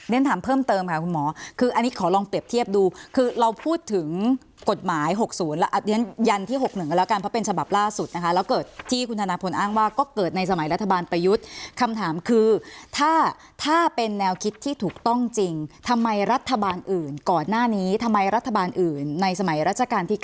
ถามเพิ่มเติมค่ะคุณหมอคืออันนี้ขอลองเปรียบเทียบดูคือเราพูดถึงกฎหมาย๖๐แล้วเรียนยันที่๖๑ก็แล้วกันเพราะเป็นฉบับล่าสุดนะคะแล้วเกิดที่คุณธนพลอ้างว่าก็เกิดในสมัยรัฐบาลประยุทธ์คำถามคือถ้าถ้าเป็นแนวคิดที่ถูกต้องจริงทำไมรัฐบาลอื่นก่อนหน้านี้ทำไมรัฐบาลอื่นในสมัยราชการที่๙